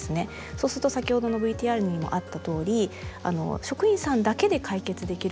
そうすると先ほどのＶＴＲにもあったとおり職員さんだけで解決できることには限りがあると。